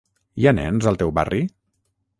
Hi ha nens al teu barri?